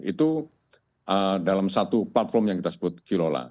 itu dalam satu platform yang kita sebut kilola